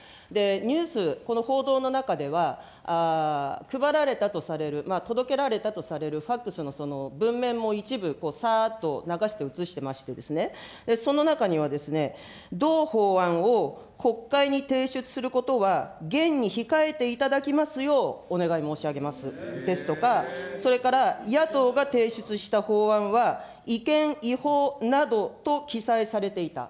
ニュース、この報道の中では、配られたとされる、届けられたとされるファックスの文面も、一部、さーっと流して映してまして、その中には、同法案を国会に提出することは、厳に控えていただきますよう、お願い申し上げますですとか、それから、野党が提出した法案は、違憲、違法などと記載されていた。